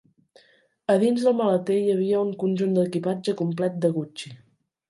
A dins del maleter hi havia un conjunt d'equipatge complet de Gucci.